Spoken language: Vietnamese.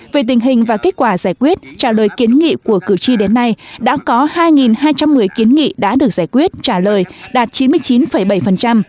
về tình hình và kết quả giải quyết trả lời kiến nghị của cử tri đến nay đã có hai hai trăm một mươi kiến nghị đã được giải quyết trả lời đạt chín mươi chín bảy